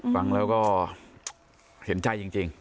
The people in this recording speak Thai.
ฟังแล้วก็เห็นใจจริง